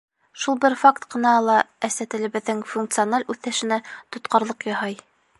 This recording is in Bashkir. Шул бер факт ҡына ла әсә телебеҙҙең функциональ үҫешенә тотҡарлыҡ яһай.